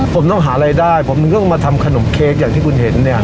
ผมต้องหารายได้ผมถึงต้องมาทำขนมเค้กอย่างที่คุณเห็นเนี่ย